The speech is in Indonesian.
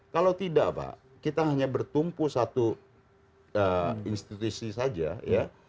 kalau tidak pak kita hanya bertumpu satu institusi saja ya